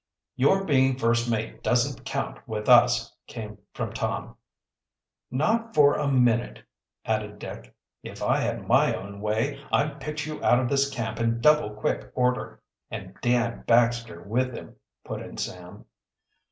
"Your being first mate doesn't count with us," came from Tom. "Not for a minute," added Dick. "If I had my own way, I'd pitch you out of this camp in double quick order." "And Dan Baxter with him," put in Sam.